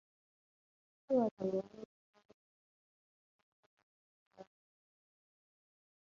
He was a Lieutenant-Colonel in the Rifle Brigade.